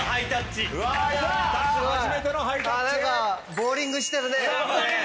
ボウリングしてるね！